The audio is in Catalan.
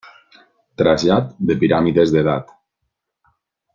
Trasllat de piràmides d'edat.